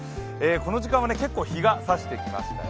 この時間は結構日が差してきましたよ。